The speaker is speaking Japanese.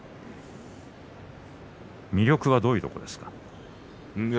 魅力はどういうところですか？